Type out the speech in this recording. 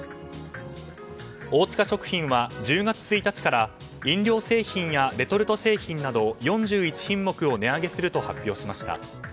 大塚食品は１０月１日から飲料製品やレトルト製品など４１品目を値上げすると発表しました。